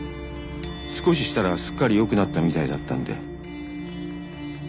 少ししたらすっかりよくなったみたいだったんで。